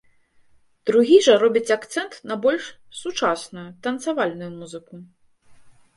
Другі жа робіць акцэнт на больш сучасную, танцавальную музыку.